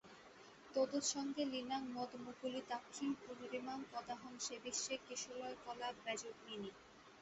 ত্বদুৎসঙ্গে লীনাং মদমুকুলিতাক্ষীং পুনরিমাং কদাহং সেবিষ্যে কিসলয়কলাপব্যজনিনী।